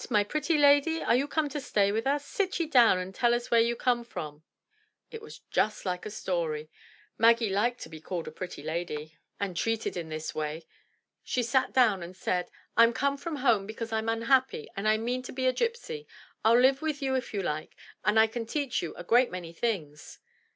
my pretty lady, are you come to stay with us? Sit ye down and tell us where you come from." It was just like a story; Maggie liked to be called pretty lady 242 THE TREASURE CHEST and treated in this way. She sat down and said, " Fm come from home because Fm unhappy and I mean to be a gypsy. FU live with you if you like, and I can teach you a great many things."